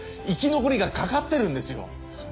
生き残りがかかってるんですよ。